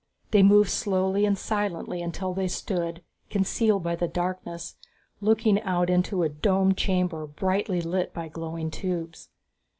They moved slowly and silently until they stood, concealed by the darkness, looking out into a domed chamber brightly lit by glowing tubes.